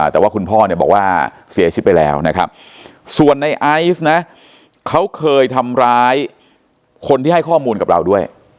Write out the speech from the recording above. แต่ว่าคุณพ่อเนี่ยบอกว่าเสียชีวิตไปแล้วนะครับส่วนในไอซ์นะเขาเคยทำร้ายคนที่ให้ข้อมูลกับเราด้วย